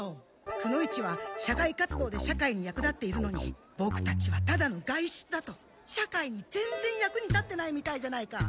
くの一は社会活動で社会に役立っているのにボクたちはただの外出だと社会にぜんぜん役に立ってないみたいじゃないか。